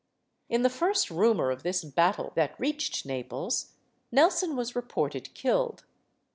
In the first rumor of this battle that reached Naples, Nelson was reported killed.